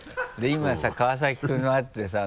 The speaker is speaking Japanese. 今さ川崎君と会ってさ。